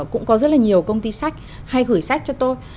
cũng có rất là nhiều công ty sách hay gửi sách cho tôi